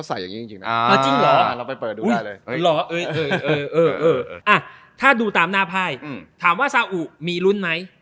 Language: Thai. แสดงว่าของสาอูมีรุนไหม